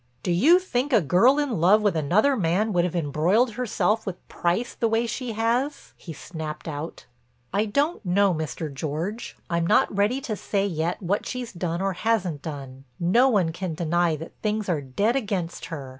"Do you think a girl in love with another man would have embroiled herself with Price the way she has?" he snapped out. "I don't know, Mr. George. I'm not ready to say yet what she's done or hasn't done. No one can deny that things are dead against her.